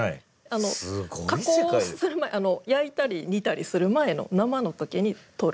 あの加工する前焼いたり煮たりする前の生の時に取る。